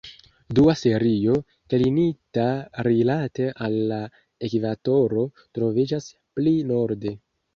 Dua serio, klinita rilate al la ekvatoro, troviĝas pli norde.